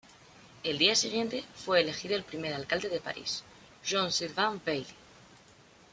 El día siguiente, fue elegido el primer Alcalde de París: Jean Sylvain Bailly.